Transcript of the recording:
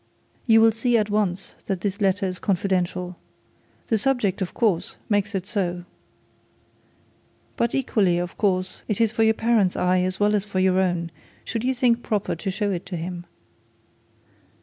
'You will see at once that this letter is confidential. The subject, of course, makes it so. But, equally, of course, it is for your parent's eye as well as for your own, should you think it proper to show it to him.